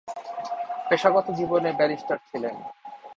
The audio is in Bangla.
পেশাগত জীবনে ব্যারিস্টার ছিলেন।